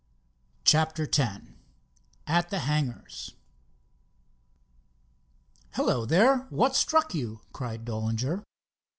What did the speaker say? CHAPTER X AT THE HANGARS "Hello there, what's struck you?" cried Dollinger.